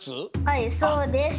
はいそうです。